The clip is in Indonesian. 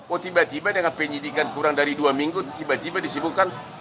oh tiba tiba dengan penyidikan kurang dari dua minggu tiba tiba disibukkan